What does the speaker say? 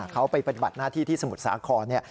เขาไปปฏิบัติหน้าที่ที่สมุทรสาคร